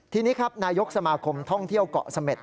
ทีนี้ครับนายกสมาคมท่องเที่ยวเกาะเสม็ด